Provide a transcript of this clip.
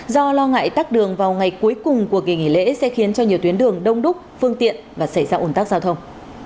do lo ngại tắc đường vào ngày cuối cùng của kỳ nghỉ lễ sẽ khiến cho nhiều tuyến đường đông đúc phương tiện và xảy ra ủn tắc giao thông